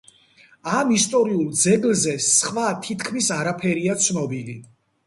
ამ ისტორიული ძეგლზე სხვა თითქმის არაფერია ცნობილი.